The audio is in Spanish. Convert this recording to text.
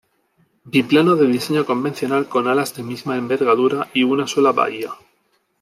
Biplano de diseño convencional con alas de misma envergadura y una sola bahía.